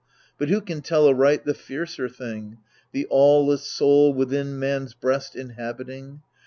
But who can tell aright the fiercer thing, The aweless soul, within man's breast inhabiting